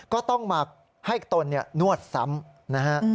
ก็ต้องมาให้ตนนวดซ้ำนะฮะ